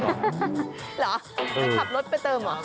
เหรอไปขับรถไปเติมเหรอ